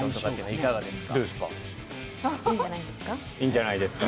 いいんじゃないですか？